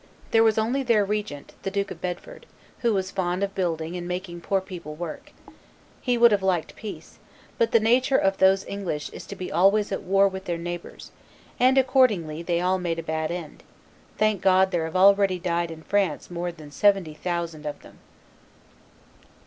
There was only their regent, the Duke of Bedford, who was fond of building and making the poor people work; he would have liked peace; but the nature of those English is to be always at war with their neighbors, and accordingly they all made a bad end; thank God there have already died in France more than seventy thousand of them."